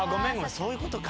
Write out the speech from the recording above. そういうことか。